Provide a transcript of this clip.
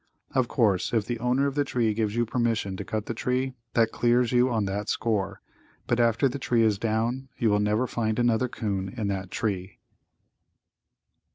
Of course, if the owner of the tree gives you permission to cut the tree, that clears you on that score, but after the tree is down, you will never find another 'coon in that tree.